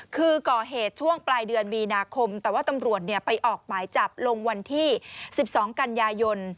คือก่อเหตุช่วงปลายเดือนมีนาคมแต่ว่าตำรวจไปออกหมายจับลงวันที่๑๒กันยายน